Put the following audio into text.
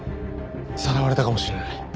さらわれたかもしれない。